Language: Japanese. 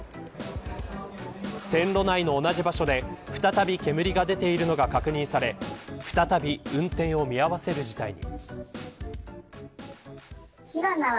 線路内の同じ場所で再び煙が出ているのが確認され再び、運転を見合わせる事態に。